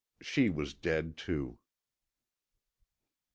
She was dead too.